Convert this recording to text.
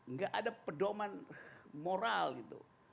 nggak ada pedoman moral gitu